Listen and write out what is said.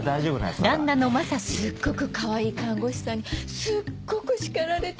すっごくかわいい看護師さんにすっごく叱られてて。